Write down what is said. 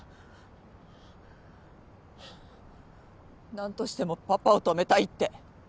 何としてもパパを止めたいって。